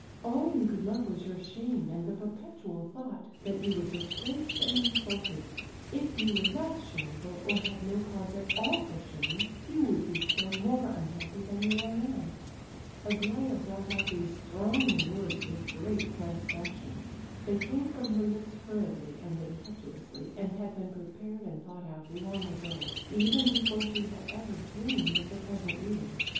All you could love was your shame and the perpetual thought that you were disgraced and insulted. If you were less shameful, or had no cause at all for shame, you would be still more unhappy than you are now." Aglaya brought out these thronging words with great satisfaction. They came from her lips hurriedly and impetuously, and had been prepared and thought out long ago, even before she had ever dreamed of the present meeting.